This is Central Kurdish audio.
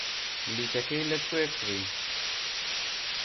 بلیتەکەی لەکوێ کڕی؟